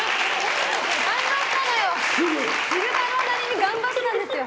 昼太郎なりに頑張ったんですよ。